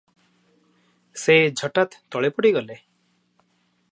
ସେ ଝଟାତ୍ ତଳେ ପଡ଼ି ଗଲେ ।